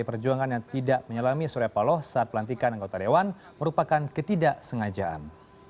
perjuangan yang tidak menyelami surya paloh saat pelantikan anggota dewan merupakan ketidaksengajaan